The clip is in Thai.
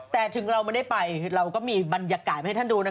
แต่ถึงเราไม่ได้ไปเราก็มีบรรยากาศมาให้ท่านดูนะคะ